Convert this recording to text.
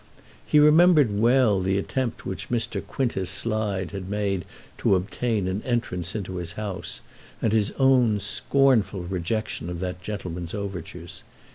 He remembered well the attempt which Mr. Quintus Slide had made to obtain an entrance into his house, and his own scornful rejection of that gentleman's overtures.